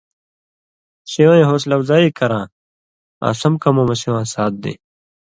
سِوَیں حوصلہ افزائی کراں آں سم کموں مہ سِواں ساتھ دېں۔